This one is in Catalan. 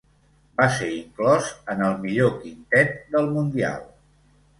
Va ser inclòs en el millor quintet del mundial.